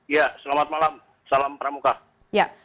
ya selamat malam salam pramuka